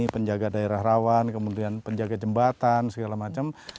penjaga daerah rawan kemudian penjaga jembatan segala macam